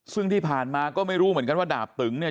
ซึ่งที่ผ่านมาก็ไม่รู้เหมือนกันว่าดาบตึงเนี่ย